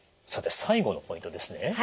さて最後のポイントですね。